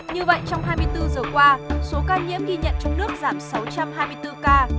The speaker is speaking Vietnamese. như vậy trong hai mươi bốn giờ qua số ca nhiễm ghi nhận trong nước giảm sáu trăm hai mươi bốn ca